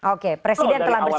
oke presiden telah bersikap